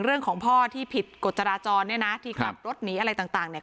เรื่องของพ่อที่ผิดกฎจราจรเนี่ยนะที่ขับรถหนีอะไรต่างเนี่ย